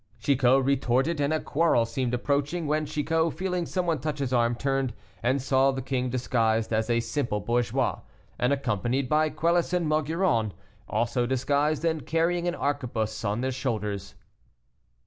Chicot retorted, and a quarrel seemed approaching, when Chicot, feeling some one touch his arm, turned, and saw the king disguised as a simple bourgeois, and accompanied by Quelus and Maugiron, also disguised, and carrying an arquebuse on their shoulders.